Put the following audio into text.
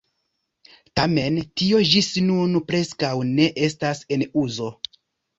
Tamen tio ĝis nun preskaŭ ne estas en uzo.